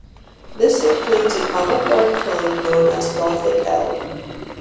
This includes an AvantGarde clone known as "Gothic L".